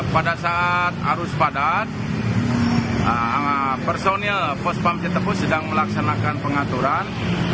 pada saat arus padat personil pospam cetepus sedang melaksanakan pengaturan